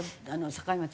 境町。